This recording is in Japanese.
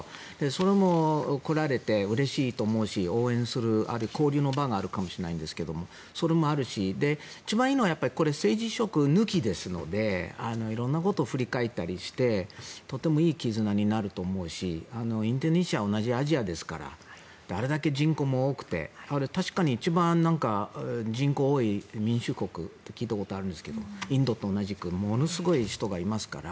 それも来られてうれしいと思うし応援するあるいは交流の場があるかもしれないしそれもあるんですが一番いいのは政治色抜きですので色んなことを振り返ったりしてとてもいい絆になると思うしインドネシアは同じアジアですからあれだけ人口も多くて確か一番人口が多い民主国と聞いたことがあるんですけどインドと同じくものすごい人がいますから。